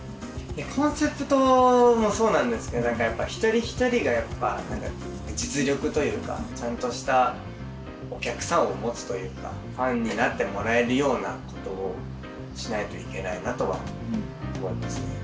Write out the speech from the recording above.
コンセプトもそうなんですけどやっぱ一人一人が実力というかちゃんとしたお客さんを持つというかファンになってもらえるようなことをしないといけないなとは思いますね。